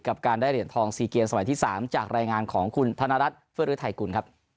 กับการได้เหรียญทอง๔เกมสมัยที่๓จากรายงานของคุณธนรัฐเพื่อฤทัยกุลครับ